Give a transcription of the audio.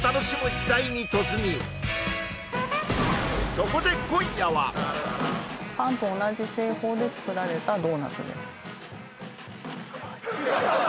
そこでパンと同じ製法で作られたドーナツです